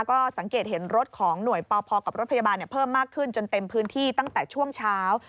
ก็สังเกตเห็นรถของหน่วยปพกับรถพยาบาลเพิ่มมากขึ้นจนเต็มพื้นที่ตั้งแต่ช่วงเช้า